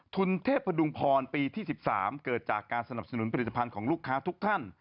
คุณเทพดุงพรปีที่๑๓เกิดจากการสนับสนุนผลิตภัณฑ์ของลูกค้าทุกท่าน